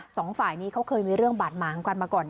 สองฝ่ายนี้เขาเคยมีเรื่องบาดหมางกันมาก่อน